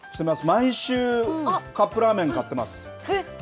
毎週、カップラーメン買ってます。